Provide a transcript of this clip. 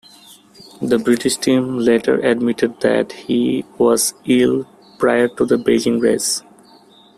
The British team later admitted that he was ill prior to the Beijing race.